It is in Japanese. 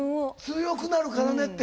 「強くなるからねって」。